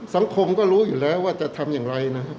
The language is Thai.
สังคมก็รู้อยู่แล้วว่าจะทำอย่างไรนะครับ